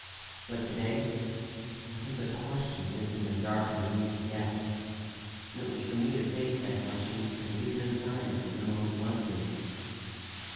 But to day, nothing but question lived in their dark and uneasy depths, and it was for me to face that question and give no sign of what the moment was to me.